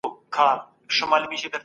څېړنه یو مهم عمل دی.